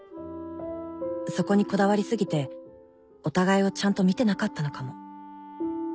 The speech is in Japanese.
「そこに拘りすぎてお互いをちゃんと見てなかったのかも」